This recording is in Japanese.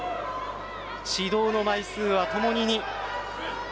指導の枚数はともに２。